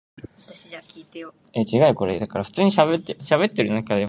そして、近くで見ると、色以外も違うことがわかった。異様だった。